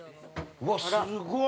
うわっ、すっごい。